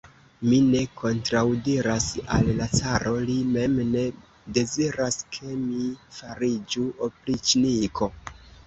Mi ne kontraŭdiras al la caro, li mem ne deziras, ke mi fariĝu opriĉniko.